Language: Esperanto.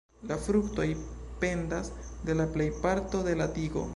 La fruktoj pendas de la plejparto de la tigo.